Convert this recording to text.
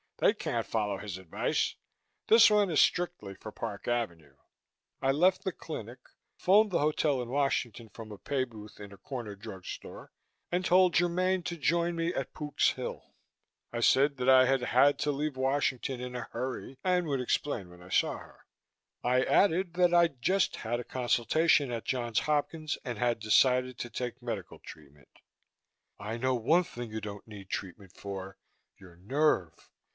They can't follow his advice. This one is strictly for Park Avenue." I left the clinic, phoned the hotel in Washington from a pay booth in a corner drug store, and told Germaine to join me at Pook's Hill. I said that I had had to leave Washington in a hurry and would explain when I saw her. I added that I'd just had a consultation at Johns Hopkins and had decided to take medical treatment. "I know one thing you don't need treatment for your nerve!"